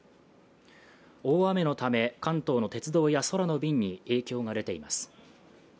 大雨のため、関東の鉄道や空の便に影響が出ています。